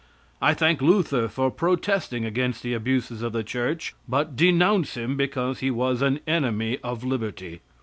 I thank Luther for protesting against the abuses of the Church, but denounce him because he was an enemy of liberty.